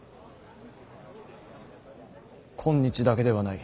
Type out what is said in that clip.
今日だけではない。